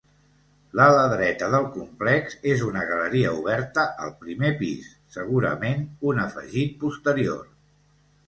L'ala dreta del complex és una galeria oberta al primer pis, segurament un afegit posterior.